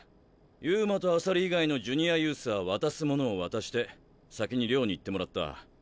遊馬と朝利以外のジュニアユースは渡すものを渡して先に寮に行ってもらった。